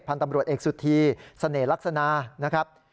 พันธ์ตำรวจเอกสุธีเสน่ห์ลักษณะนะครับ